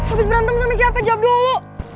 habis berantem sama siapa jawab dulu